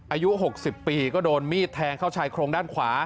อายุ๖๐ปีก็โดนมีดแทงเข้าชายโครงด้านขวา